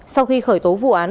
sau khi khởi tố vụ án